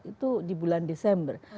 itu di bulan desember